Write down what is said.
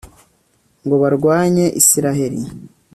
ngo barwanye israheli